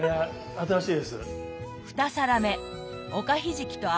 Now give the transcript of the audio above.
新しいです。